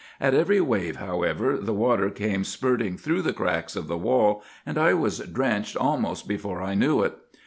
At every wave, however, the water came spurting through the cracks of the wall, and I was drenched almost before I knew it.